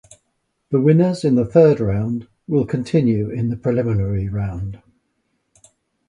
The winners in the third round will continue in the preliminary round.